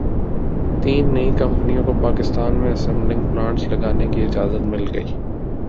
تین نئی کمپنیوں کو پاکستان میں اسمبلنگ پلانٹس لگانے کی اجازت مل گئی